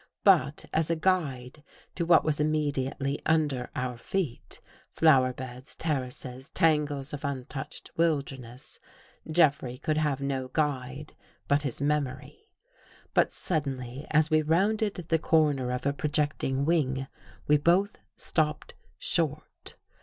But, as a guide to what was immediately under our feet, flower beds, terraces, tangles of untouched wilderness, Jeffrey could have no guide but his memory. But suddenly, as we rounded the corner of a projecting wing, we both stopped short.